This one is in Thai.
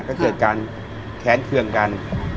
ก็เกิดการแค้นเครื่องกัน